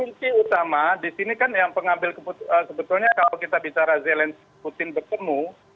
menurut saya begini kunci utama disini kan yang pengambil sebetulnya kalau kita bicara zelens putin bertemu